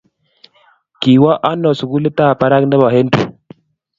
Kiwo Anao sukulitap barak nebo Henry